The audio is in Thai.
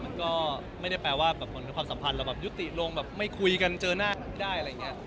มันก็ไม่ได้แปลว่าความสัมพันธ์เรายกติลงไม่คุยกันเจอหน้าไม่ได้